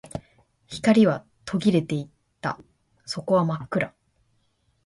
光は途切れていた。底は真っ暗。